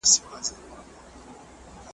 اولسونه به مي کله را روان پر یوه لار کې .